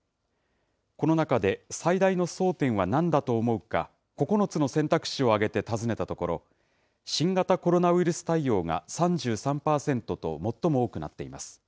この中で最大の争点はなんだと思うか、９つの選択肢を挙げて尋ねたところ、新型コロナウイルス対応が３３％と最も多くなっています。